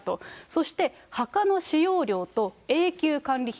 そして、墓の使用料と永久管理費